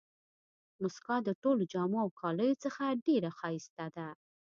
مسکا د ټولو جامو او کالیو څخه ډېره ښایسته ده.